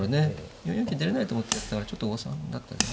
４四金出れないと思っちゃったのはちょっと誤算だったよね。